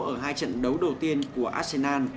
ở hai trận đấu đầu tiên của arsenal